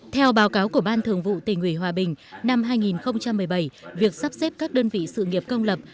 theo báo cáo của ban thường vụ tỉnh ủy hòa bình năm hai nghìn một mươi bảy việc sắp xếp các đơn vị sự nghiệp công lập